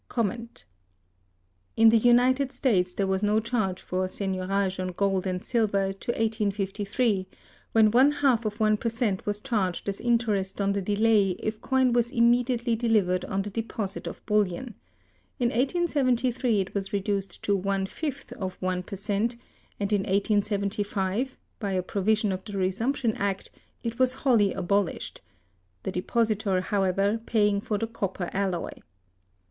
In the United States there was no charge for seigniorage on gold and silver to 1853, when one half of one per cent was charged as interest on the delay if coin was immediately delivered on the deposit of bullion; in 1873 it was reduced to one fifth of one per cent; and in 1875, by a provision of the Resumption Act, it was wholly abolished (the depositor, however, paying for the copper alloy).